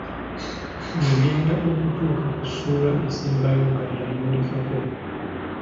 Ogenda okutuuka ku ssuula esembayo nga yayulikako!